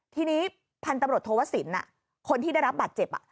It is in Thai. ทีนี้พันธุ์ตำรวจโทวสินคนที่ได้รับบาดเจ็บ